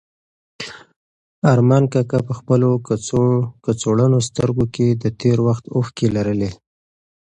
ارمان کاکا په خپلو کڅوړنو سترګو کې د تېر وخت اوښکې لرلې.